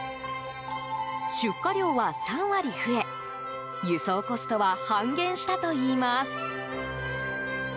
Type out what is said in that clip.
出荷量は３割増え、輸送コストは半減したといいます。